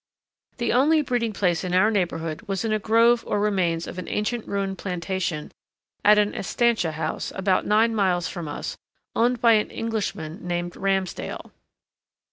The only breeding place in our neighbourhood was in a grove or remains of an ancient ruined plantation at an estancia house, about nine miles from us, owned by an Englishman named Ramsdale.